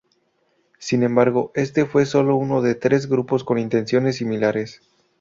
Sin embargo, este fue solo uno de tres grupos con intenciones similares.